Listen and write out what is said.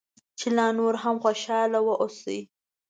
چې لا نور هم خوشاله واوسې.